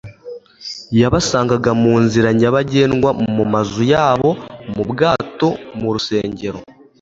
Yabasangaga mu nzira nyabagendwa, mu mazu yabo, mu bwato, mu rusengero,